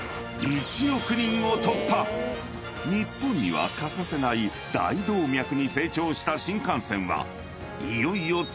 ［日本には欠かせない大動脈に成長した新幹線はいよいよ］